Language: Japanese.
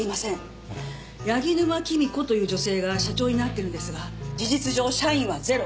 柳沼きみ子という女性が社長になってるんですが事実上社員はゼロ。